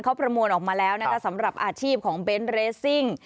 เขาประมวลออกมาแล้วนะคะสำหรับอาชีพของเบนท์เรสซิ่ง